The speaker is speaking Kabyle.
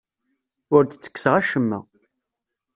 Ur d-ttekkseɣ acemma.